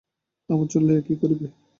আমার চুল লইয়া কী করিবে।